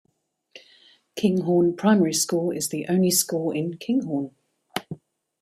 Kinghorn Primary School is the only school in Kinghorn.